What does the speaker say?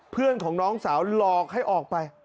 เพื่อนของน้องสาวหลอกให้ออกไป